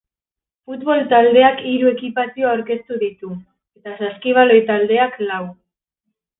Futbol taldeak hiru ekipazio aurkeztu ditu, eta saskibaloi taldeak lau.